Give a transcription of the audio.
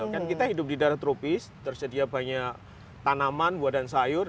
kan kita hidup di darah tropis tersedia banyak tanaman buah dan sayur